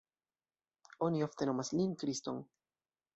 Oni ofte nomas lin Kriston.